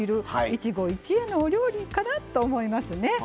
一期一会のお料理かなと思いますね。